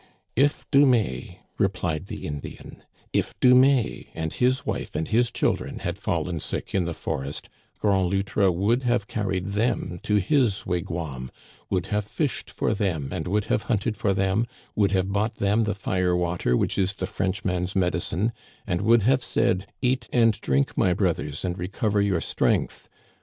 If Dumais," replied the Indian, " if Dumais and his wife and his children had fallen sick in the forest, Grand Loutre would have carried them to his wigwam, would have fished for them and would have hunted for them, would have bought them the fire water which is the Frenchman's medicine, and would have said, * Eat and drink my brothers, and recover your strength.'